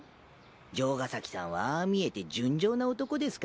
城ヶ崎さんはああ見えて純情な男ですからね。